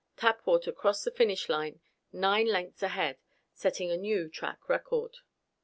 Tapwater crossed the finish line nine lengths ahead, setting a new track record.